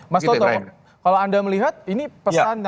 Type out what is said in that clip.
mas toto kalau anda melihat ini pesan dari pak prabowo